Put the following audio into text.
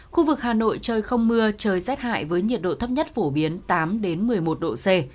khu vực hà nội trời không mưa trời rét hại với nhiệt độ thấp nhất phổ biến tám một mươi một độ c